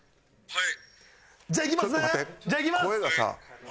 「はい」